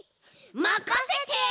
まかせて！